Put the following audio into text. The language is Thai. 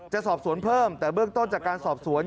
จะสอบสวนเพิ่มแต่เบื้องต้นจากการสอบสวน